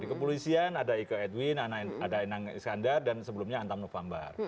di kepolisian ada iko edwin ada enang iskandar dan sebelumnya antam november